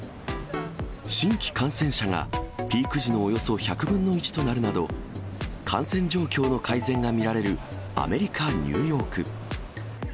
新規感染者がピーク時のおよそ１００分の１となるなど、感染状況の改善が見られるアメリカ・ニューヨーク。